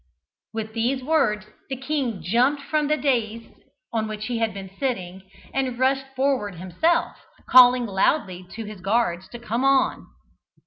With these words the king jumped from the dais on which he had been sitting, and rushed forward himself, calling loudly to his guards to come on.